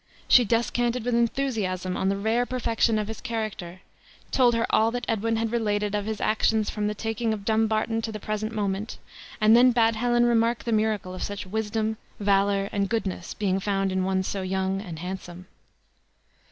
She descanted with enthusiasm on the rare perfection of his character; told her all that Edwin had related of his actions from the taking of Dumbarton to the present moment; and then bade Helen remark the miracle of such wisdom, valor, and goodness being found in one so young and handsome.